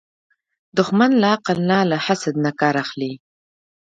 دښمن له عقل نه، له حسد نه کار اخلي